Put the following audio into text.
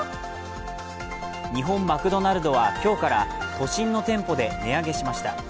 日本マクドナルドは今日から、都心の店舗で値上げしました。